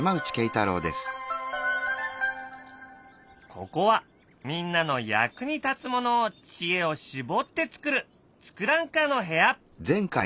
ここはみんなの役に立つものを知恵を絞って作る「ツクランカー」の部屋。